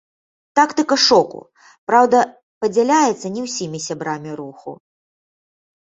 Тактыка шоку, праўда, падзяляецца не ўсімі сябрамі руху.